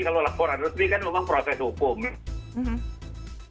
kalau laporan resmi kan memang proses hukum kan